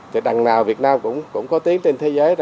thì đằng nào việt nam cũng có tiếng trên thế giới